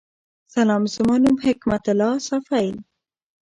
سلام زما نوم حکمت الله صافی